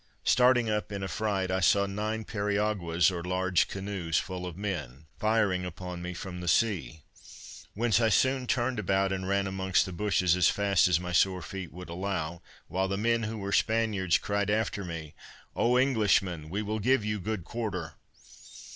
Starting up in affright, I saw nine periaguas, or large canoes, full of men, firing upon me from the sea; whence I soon turned about and ran among the bushes as fast as my sore feet would allow, while the men, who were Spaniards, cried after me, "O Englishman, we will give you good quarter."